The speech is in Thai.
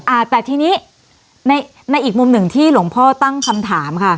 อ่าแต่ทีนี้ในในอีกมุมหนึ่งที่หลวงพ่อตั้งคำถามค่ะ